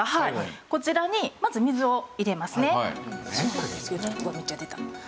こちらにまず水を入れますね。